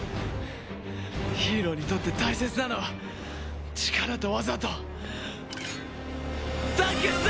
ヒーローにとって大切なのは力と技と団結だ！